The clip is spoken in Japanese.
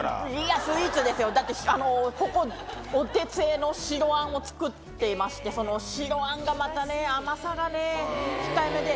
だってここお手製の白あんを作っていましてその白あんがまたね甘さがね控えめで。